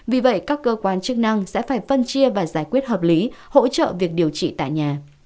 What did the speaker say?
vì vậy các cơ quan chức năng sẽ phải phân chia và giải quyết hợp lý hỗ trợ việc điều trị tại nhà